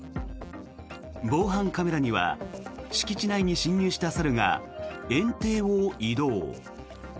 防犯カメラには敷地内に侵入した猿が園庭を移動。